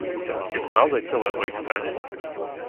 Je to naozaj celé o ich strane?